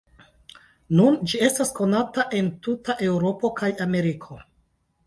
Nun ĝi estas konata en tuta Eŭropo kaj Ameriko.